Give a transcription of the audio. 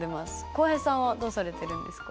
浩平さんはどうされてるんですか？